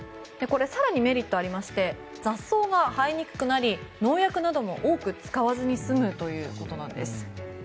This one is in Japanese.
更にメリットがありまして雑草が生えにくくなり農薬なども多く使わずに済むということなんです。